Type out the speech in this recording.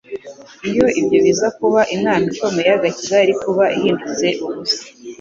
Iyo ibyo biza kuba, inama ikomeye y'agakiza yari kuba ihindutse ubusa.